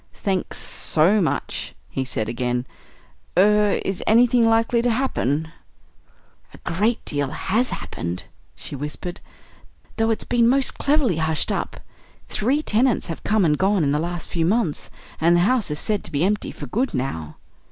"Thanks so much," he said again. "Er is anything likely to happen?" "A great deal has happened," she whispered, "though it's been most cleverly hushed up. Three tenants have come and gone in the last few months, and the house is said to be empty for good now."